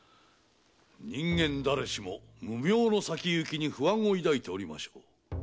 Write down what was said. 人間だれしも無名の先行きに不安を抱いておりましょう。